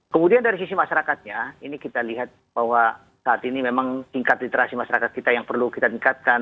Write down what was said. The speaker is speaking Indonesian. kemudian dari sisi masyarakatnya ini kita lihat bahwa saat ini memang tingkat literasi masyarakat kita yang perlu kita tingkatkan